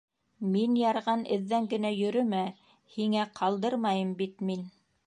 — Мин ярған эҙҙән генә йөрөмә, һиңә ҡалдырмайым бит мин.